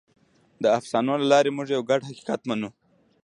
د افسانو له لارې موږ یو ګډ حقیقت منو.